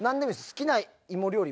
好きな芋料理